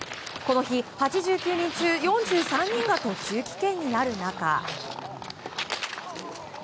この日、８９人中４３人が途中棄権になる中。